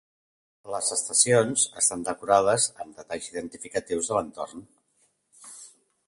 Les estacions estan decorades amb detalls identificatius de l'entorn.